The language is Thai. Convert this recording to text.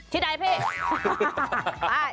ที่ใดเพะ